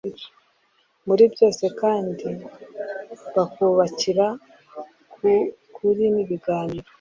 muri byose kandi bakubakira ku kuri n'ibiganiro